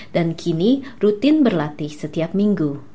dan kini rutin berlatih setiap minggu